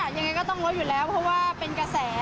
ยังไงก็ต้องลดอยู่แล้วเพราะว่าเป็นกระแส